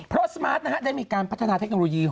เพราะสมาร์ทได้มีการพัฒนาเทคโนโลยี